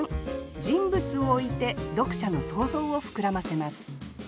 人物を置いて読者の想像を膨らませます